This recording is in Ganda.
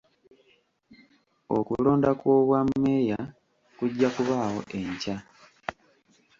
Okulonda kw'obwameeya kujja kubaawo enkya.